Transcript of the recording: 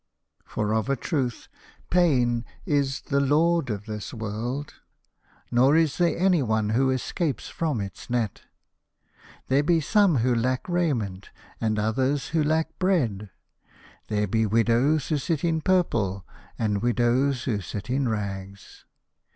For of a truth, pain is the Lord of this world, nor is there anyone who escapes from its net. There be some who lack raiment, and others who lack bread. There be widows who sit in purple, and widows who sit in rags.